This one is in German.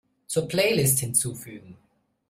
Zur Playlist hinzufügen.